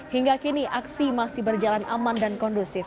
hingga kini aksi masih berjalan aman dan kondusif